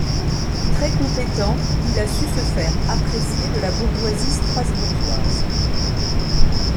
Très compétent, il a su se faire apprécier de la bourgeoisie strasbourgeoise.